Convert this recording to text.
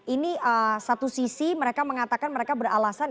ini satu sisi mereka mengatakan mereka beralasan